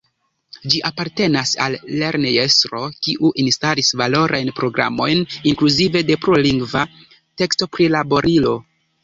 Ĝi apartenis al lernejestro, kiu instalis valorajn programojn, inkluzive de plurlingva tekstoprilaborilo.